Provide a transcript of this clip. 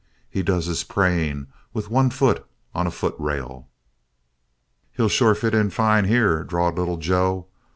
He does his praying with one foot on a footrail." "He'll sure fit in fine here," drawled Little Joe.